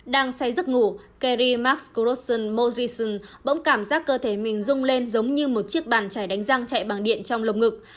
đang say giấc ngủ kerry max crosson morrison bỗng cảm giác cơ thể mình rung lên giống như một chiếc bàn chảy đánh răng chạy bằng điện trong lồng ngực